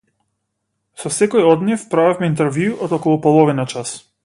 Со секој од нив правевме интервју од околу половина час.